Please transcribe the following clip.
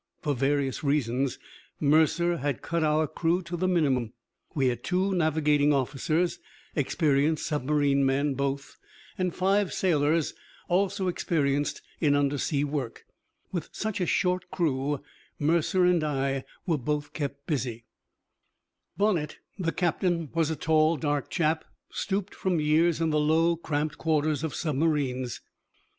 For various reasons, Mercer had cut our crew to the minimum. We had two navigating officers, experienced submarine men both, and five sailors, also experienced in undersea work. With such a short crew, Mercer and I were both kept busy. Bonnett, the captain, was a tall, dark chap, stooped from years in the low, cramped quarters of submarines.